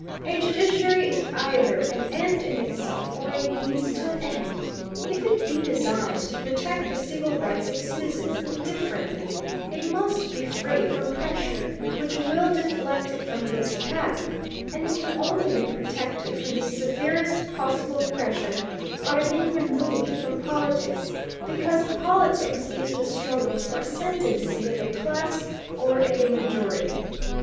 A judiciary is either an end in itself or a means to an end. If it be designed to protect the civil rights of citizens indifferently, it must be free from pressure which will deflect it from this path, and it can only be protected from the severest possible pressure by being removed from politics, because politics is the struggle for ascendancy of a class or a majority.